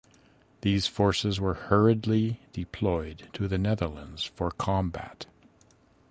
These forces were hurriedly deployed to the Netherlands for combat.